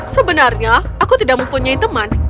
sebenarnya aku tidak mempunyai teman